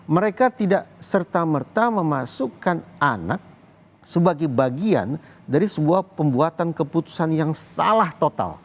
mereka tidak serta merta memasukkan anak sebagai bagian dari sebuah pembuatan keputusan yang salah total